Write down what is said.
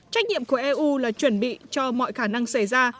trách nhiệm của eu là chuẩn bị cho mọi khả năng xảy ra